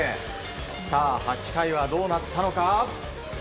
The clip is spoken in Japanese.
さあ、８回はどうなったのか。